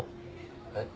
えっ？